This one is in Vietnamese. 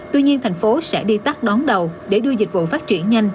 tuy nhiên thành phố sẽ đi tắt đón đầu để đưa dịch vụ phát triển nhanh